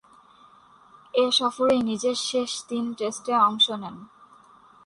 এ সফরেই নিজের শেষ তিন টেস্টে অংশ নেন।